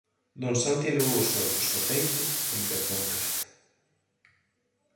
Don Santi elevou os ollos ó teito e empezou un rezo: